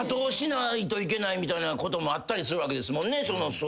みたいなこともあったりするわけですもんね。